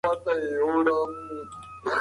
جنګونه د کینې په نتیجه کي رامنځته کیږي.